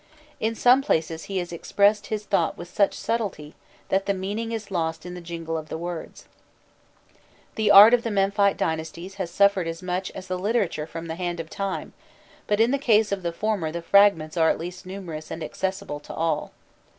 In some places he has expressed his thought with such subtlety, that the meaning is lost in the jingle of the words. The art of the Memphite dynasties has suffered as much as the literature from the hand of time, but in the case of the former the fragments are at least numerous and accessible to all.